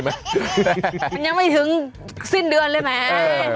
มันยังไม่ถึงสิ้นเดือนเลยแหม